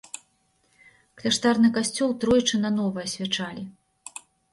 Кляштарны касцёл тройчы нанова асвячалі.